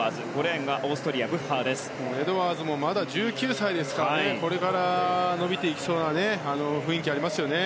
エドワーズもまだ１９歳ですからねこれから伸びていきそうな雰囲気がありますね。